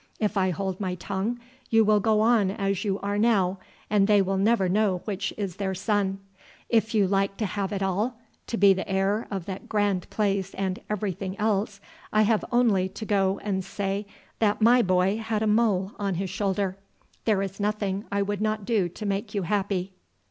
If I hold my tongue you will go on as you are now, and they will never know which is their son. If you like to have it all, to be the heir of that grand place and everything else, I have only to go and say that my boy had a mole on his shoulder. There is nothing I would not do to make you happy."